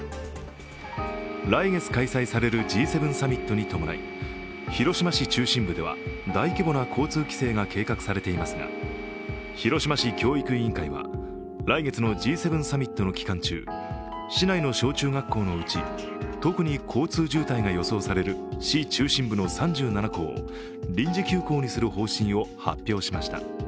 来月開催されるＧ７サミットに伴い広島市中心部では大規模な交通規制が計画されていますが広島市教育委員会は、来月のＧ７サミットの期間中市内の小中学校のうち特に交通渋滞が予想される市中心部の３７校を臨時休校にする方針を発表しました。